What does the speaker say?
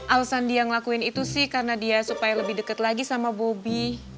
alasan dia ngelakuin itu sih karena dia supaya lebih deket lagi sama bobby